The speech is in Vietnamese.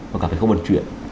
và các cái khấu vận chuyển